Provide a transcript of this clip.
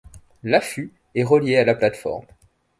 L'affût est relié à la plateforme.